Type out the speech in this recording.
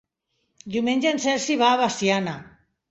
Diumenge en Sergi va a Veciana.